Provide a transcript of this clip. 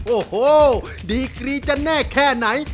โอ้โหดีกรีจะแน่แค่ไหน